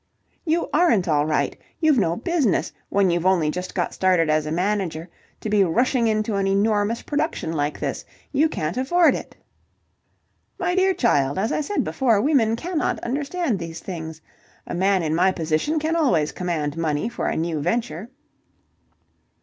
"You aren't all right. You've no business, when you've only just got started as a manager, to be rushing into an enormous production like this. You can't afford it." "My dear child, as I said before, women cannot understand these things. A man in my position can always command money for a new venture."